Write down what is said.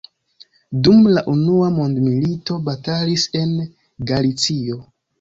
Dum la unua mondmilito batalis en Galicio.